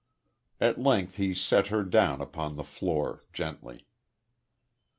At length he set her down upon the floor, gently.